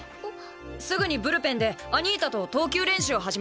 すぐにブルペンでアニータと投球練習を始めて！